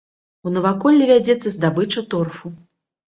У наваколлі вядзецца здабыча торфу.